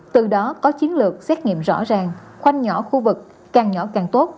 từ đó có chiến lược xét nghiệm rõ ràng khoanh nhỏ khu vực càng nhỏ càng tốt